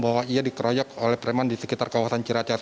bahwa ia dikeroyok oleh preman di sekitar kawasan ciracas